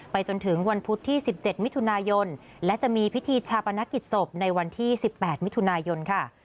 จนถึงวันพุธที่๑๗มิถุนายนและจะมีพิธีชาปนกิจศพในวันที่๑๘มิถุนายนค่ะ